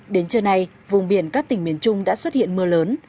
đến trưa nay vùng biển các tỉnh miền trung đã xuất hiện mưa lớn